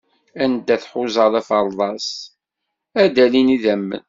Anda tḥuzaḍ afeṛḍas, ad d-alin idammen.